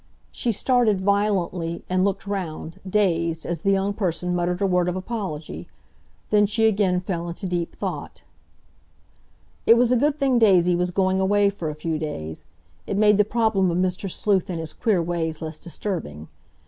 She started violently and looked round, dazed, as the young person muttered a word of apology;—then she again fell into deep thought. It was a good thing Daisy was going away for a few days; it made the problem of Mr. Sleuth and his queer ways less disturbing.